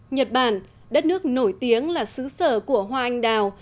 nhật bản đất nước nổi tiếng là xứ sở của hoa anh đào